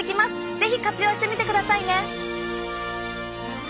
是非活用してみてくださいね！